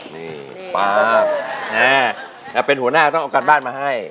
นี่ป๊าบแต่เป็นหัวหน้าต้องเอาการบ้านมาให้